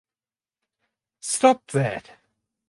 Stop that!